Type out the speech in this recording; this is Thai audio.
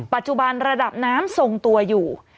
ปัจจุบันระดับน้ำทรงตัวอยู่